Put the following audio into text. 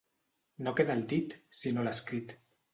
No queda el dit, sinó l'escrit.